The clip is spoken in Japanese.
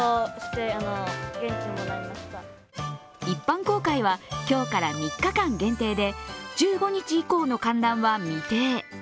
一般公開は今日から３日間限定で１５日以降の観覧は未定。